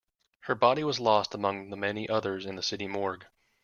Her body was lost among the many others in the city morgue.